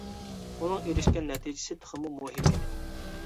ئۇنىڭ ئېرىشكەن نەتىجىسى تېخىمۇ مۇھىم ئىدى.